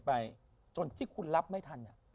ไปจนที่คุณรับไม่ทัน